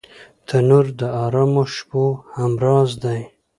تنور د ارامو شپو همراز دی